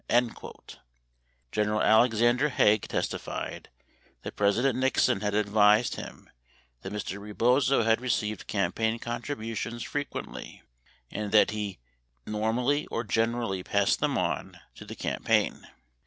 85 General Alexander Haig testified that President Nixon had advised him that Mr. Rebozo had received campaign contributions frequently, and that he "normally" or "generally" passed them on to the cam paign.